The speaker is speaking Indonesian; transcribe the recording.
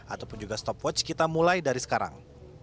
ataupun juga stopwatch kita mulai dari sekarang